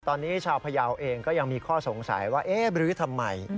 ตอนนี้ชาวพยาวเองก็ยังมีข้อสงสัยว่าเอ๊ะบรื้อทำไม